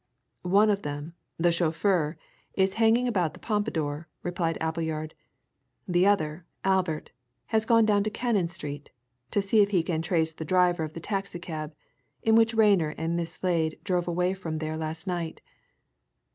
"One of them, the chauffeur, is hanging about the Pompadour," replied Appleyard. "The other Albert has gone down to Cannon Street to see if he can trace the driver of the taxi cab in which Rayner and Miss Slade drove away from there last night."